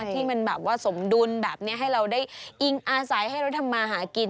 ที่มันแบบว่าสมดุลแบบนี้ให้เราได้อิงอาศัยให้เราทำมาหากิน